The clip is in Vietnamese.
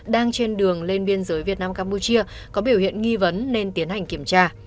đang trên đường lên biên giới việt nam campuchia có biểu hiện nghi vấn nên tiến hành kiểm tra